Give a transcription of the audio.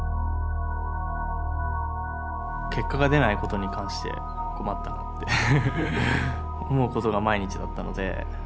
結果が出ないことに関して困ったなって思うことが毎日だったので。